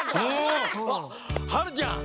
はるちゃん